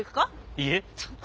いえ。